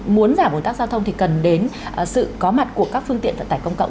muốn giảm ồn tắc giao thông thì cần đến sự có mặt của các phương tiện vận tải công cộng